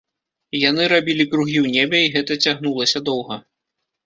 Яны рабілі кругі ў небе, і гэта цягнулася доўга.